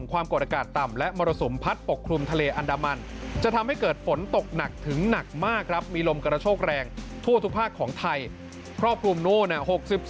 ความกดอากาศต่ำและมรสุมพัดปกคลุมทะเลอันดามันจะทำให้เกิดฝนตกหนักถึงหนักมากครับมีลมกระโชกแรงทั่วทุกภาคของไทยครอบคลุมโน้น๖๒